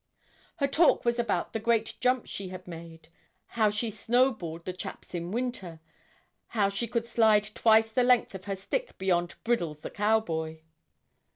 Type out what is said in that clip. Her talk was about the great jumps she had made how she snow balled the chaps' in winter how she could slide twice the length of her stick beyond 'Briddles, the cow boy.'